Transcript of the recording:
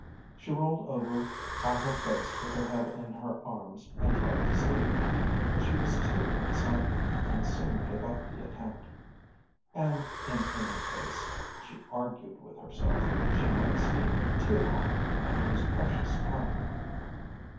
She rolled over on her face with her head in her arms and tried to sleep, but she was too excited, and soon gave up the attempt. And in any case, she argued with herself, she might sleep too long and lose precious time.